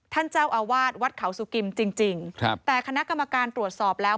ท่านเจ้าอาวาสวัดเขาสุกิมจริงจริงครับแต่คณะกรรมการตรวจสอบแล้ว